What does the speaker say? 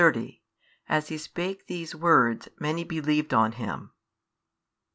30 As He spake these words, many believed on Him.